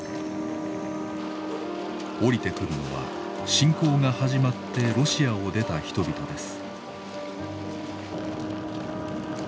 降りてくるのは侵攻が始まってロシアを出た人々です。